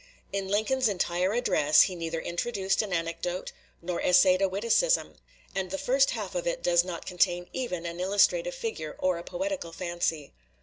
In Lincoln's entire address he neither introduced an anecdote nor essayed a witticism; and the first half of it does not contain even an illustrative figure or a poetical fancy.